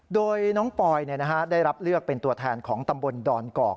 โดยน้องปอยได้รับเลือกเป็นตัวแทนของตำบลดอนกอก